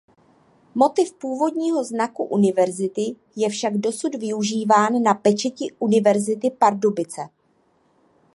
Motiv původního znaku univerzity je však dosud využíván na pečeti Univerzity Pardubice.